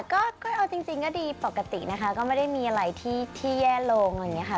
ก็เอาจริงก็ดีปกตินะคะก็ไม่ได้มีอะไรที่แย่ลงอะไรอย่างนี้ค่ะ